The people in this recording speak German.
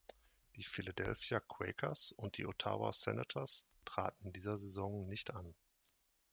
Die Philadelphia Quakers und die Ottawa Senators traten in dieser Saison nicht an.